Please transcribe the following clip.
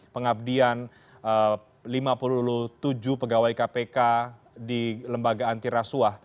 pengabdian lima puluh tujuh pegawai kpk di lembaga antirasuah